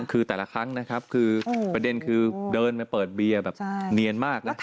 คือแต่ละครั้งนะครับคือประเด็นคือเดินมาเปิดเบียร์แบบเนียนมากนะ